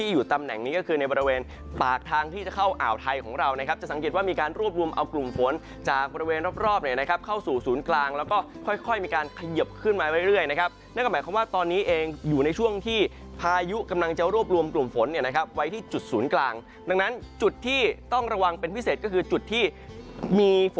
อยู่ตำแหน่งนี้ก็คือในบริเวณปากทางที่จะเข้าอ่าวไทยของเรานะครับจะสังเกตว่ามีการรวบรวมเอากลุ่มฝนจากบริเวณรอบเนี่ยนะครับเข้าสู่ศูนย์กลางแล้วก็ค่อยค่อยมีการเขยิบขึ้นมาเรื่อยนะครับนั่นก็หมายความว่าตอนนี้เองอยู่ในช่วงที่พายุกำลังจะรวบรวมกลุ่มฝนเนี่ยนะครับไว้ที่จุดศูนย์กลางดังนั้นจุดที่ต้องระวังเป็นพิเศษก็คือจุดที่มีฝน